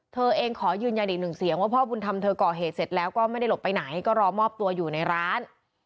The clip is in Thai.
เธอเองขอยืนยันอีกหนึ่งเสียงว่าพ่อบุญธรรมเธอก่อเหตุเสร็จแล้วก็ไม่ได้หลบไปไหนก็รอมอบตัวอยู่ในร้าน